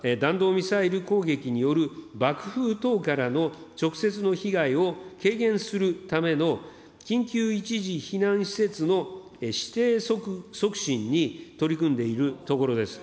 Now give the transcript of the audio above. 武力攻撃を想定した避難施設に関しては、まずは弾道ミサイル攻撃による爆風等からの直接の被害を軽減するための緊急一時避難施設のしてい促進に取り組んでいるところです。